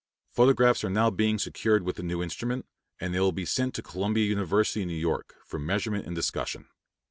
Photographs are now being secured with the new instrument, and they will be sent to Columbia University, New York, for measurement and discussion.